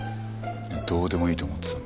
どうでもいいと思ってたんで。